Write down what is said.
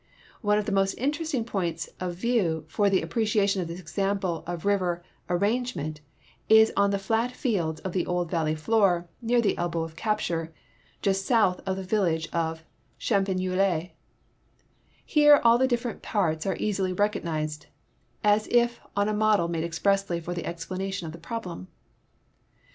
One of the most interesting p(flnts of view for the appreciation of this exani[)le of river arrangement is on the flat fields of the 234 THE SEINE, THE MEUSE, AND THE MOSELLE old valley floor near the elbow of capture, just south of the vil lage of Chanipigueules. Here all the different parts are easily recognized, as if on a model made expressly for the explanation of the problem.